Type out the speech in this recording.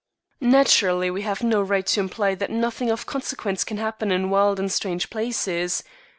Naturally, we have no right to imply that nothing of consequence can happen in wild and strange places.